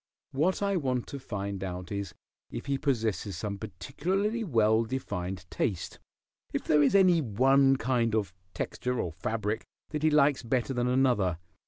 What I want to find out is if he possesses some particularly well defined taste; if there is any one kind of texture or fabric that he likes better than another.